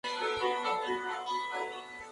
Posteriormente se uniría Pablo Dittborn como socio.